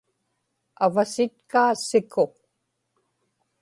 avasitkaa siku